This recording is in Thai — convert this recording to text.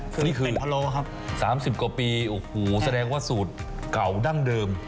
คือเป็นพอโลครับสามสิบกว่าปีโอ้โหแสดงว่าสูตรเก่าดั้งเดิม